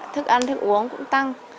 thức ăn thức uống cũng tăng